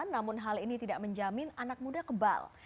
namun hal ini tidak menjamin anak muda kebal